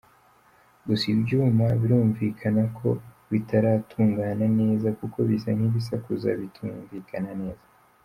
Gusa ibyuma birumvikana ko bitaratungana neza, kuko bisa nk’ibisakuza bitumvikana neza.